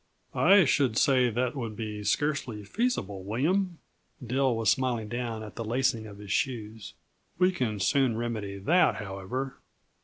"I should say that would be scarcely feasible, William." Dill was smiling down at the lacing of his shoes. "We can soon remedy that, however.